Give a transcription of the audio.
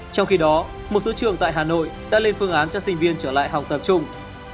trong khi đó một số trường tại hà nội đã lên phương án cho sinh viên trở lại học tập trung